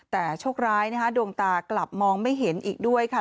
แต่โชคร้ายนะคะดวงตากลับมองไม่เห็นอีกด้วยค่ะ